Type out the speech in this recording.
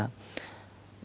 một lời rằng là